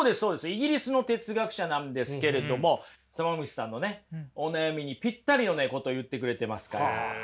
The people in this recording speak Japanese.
イギリスの哲学者なんですけれどもたま虫さんのお悩みにピッタリのこと言ってくれてますから。